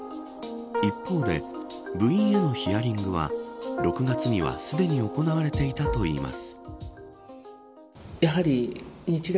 一方で、部員へのヒアリングは６月にはすでに行われていたといいます。